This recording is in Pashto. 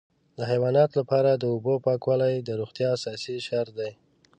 د حیواناتو لپاره د اوبو پاکوالی د روغتیا اساسي شرط دی.